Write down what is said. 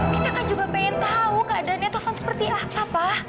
kita kan juga pengen tau keadaannya taufan seperti apa